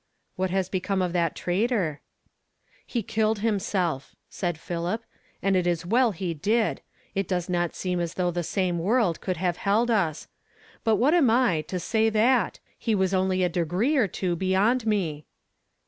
" What has become of that traitor? " "He killed himself," said Philip; "and it is well he did. It does not seem as though the same world could have held us ; but what am I, to say thi»:? He was only a degree or two beyond me."